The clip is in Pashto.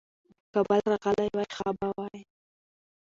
که بل راغلی وای، ښه به وای.